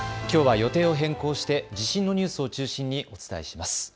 きょうは予定を変更して地震のニュースを中心にお伝えします。